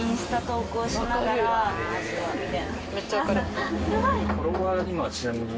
めっちゃ分かる。